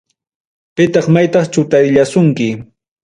Pitaq maytaq chutarillasunki.